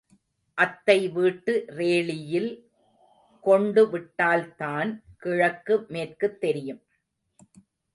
அத்தை வீட்டு ரேழியில் கொண்டுவிட்டால்தான் கிழக்கு மேற்குத் தெரியும்.